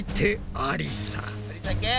ありさいけ！